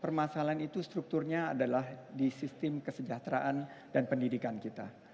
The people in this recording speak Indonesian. permasalahan itu strukturnya adalah di sistem kesejahteraan dan pendidikan kita